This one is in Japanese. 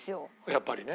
やっぱりね。